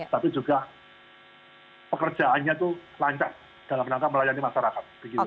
tapi juga pekerjaannya itu lancar dalam rangka melayani masyarakat